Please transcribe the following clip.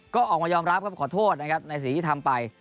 ก็ออกมายอมรับครับขอโทษนะครับในสิ่งที่ทำไป